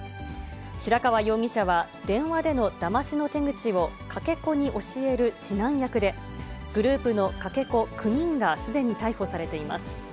白川容疑者は、電話でのだましの手口をかけ子に教える指南役で、グループのかけ子９人がすでに逮捕されています。